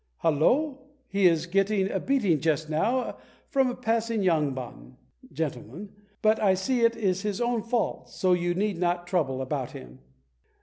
Hallo! he is getting a beating just now from a passing yangban (gentleman), but I see it is his own fault, so you need not trouble about him."